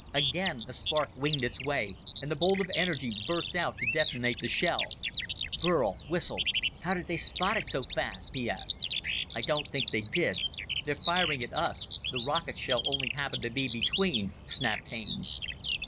Again a spark winged its way, and the bolt of energy burst out to detonate the shell. Burl whistled. "How did they spot it so fast?" he asked. "I don't think they did. They're firing at us the rocket shell only happened to be between," snapped Haines.